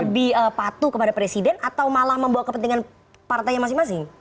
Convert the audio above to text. tapi mereka akan lebih patuh kepada presiden atau malah membawa kepentingan partainya masing masing